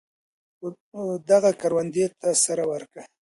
ودغه کروندې ته سره ورکه.